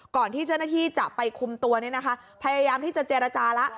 ก่อนที่เจ้าหน้าที่จะไปคุมตัวเนี่ยนะคะพยายามที่จะเจรจาแล้ว